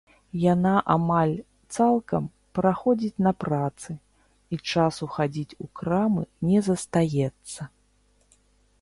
Яна амаль цалкам праходзіць на працы, і часу хадзіць у крамы не застаецца.